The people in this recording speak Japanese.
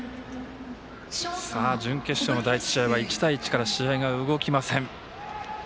準決勝の第１試合は１対１から試合が動きません。